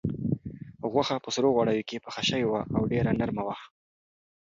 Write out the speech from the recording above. غوښه په سرو غوړیو کې پخه شوې وه او ډېره نرمه وه.